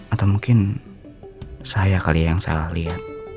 atau mungkin saya kali ya yang salah liat